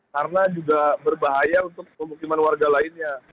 karena juga berbahaya untuk pemukiman warga lainnya